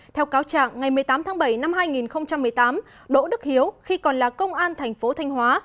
theo cáo trạng ngày một mươi tám tháng bảy năm hai nghìn một mươi tám đỗ đức hiếu khi còn là công an thành phố thanh hóa